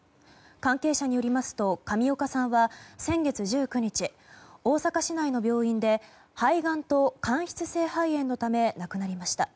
関係者によりますと上岡さんは先月１９日大阪市内の病院で肺がんと間質性肺炎のため亡くなりました。